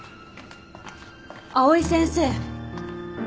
藍井先生。